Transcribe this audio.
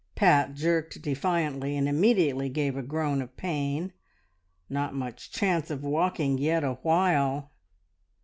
Pat jerked defiantly and immediately gave a groan of pain. Not much chance of walking yet awhile!